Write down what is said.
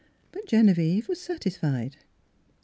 But Genevieve was satisfied.